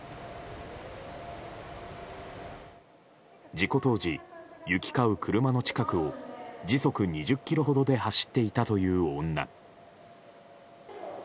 事故当時、行き交う車の近くを時速２０キロほどで走っていたという女。